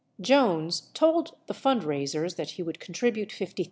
Jones told the fundraisers that he would contribute $50,000.